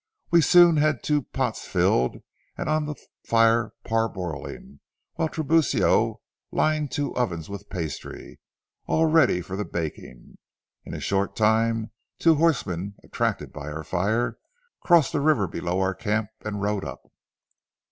We soon had two pots filled and on the fire parboiling, while Tiburcio lined two ovens with pastry, all ready for the baking. In a short time two horsemen, attracted by our fire, crossed the river below our camp and rode up.